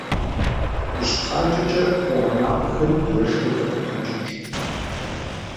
Ущыпхъанкӏэкӏэ, къуэгъэнапӏэхэри дурэшхэри къыдэпхъэнкӏыкӏ.